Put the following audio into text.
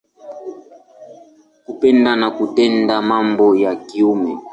Kupenda na kutenda mambo ya kiume.